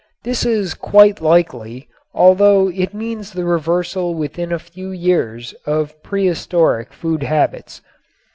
This is quite likely, although it means the reversal within a few years of prehistoric food habits.